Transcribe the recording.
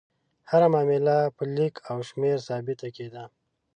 هره معامله په لیک او شمېر ثابته کېده.